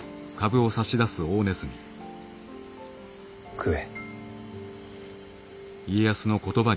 食え。